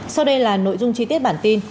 sau đây là nội dung chi tiết bản tin